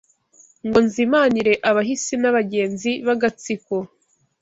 Ngo nzimanire abahisi N’abagenzi b’agatsiko